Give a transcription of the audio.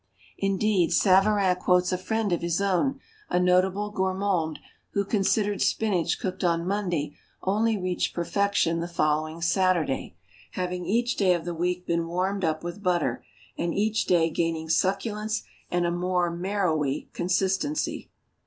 Indeed Savarin quotes a friend of his own, a notable gourmand, who considered spinach cooked on Monday only reached perfection the following Saturday, having each day of the week been warmed up with butter, and each day gaining succulence and a more marrowy consistency.